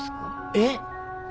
えっ？